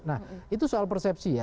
nah itu soal persepsi ya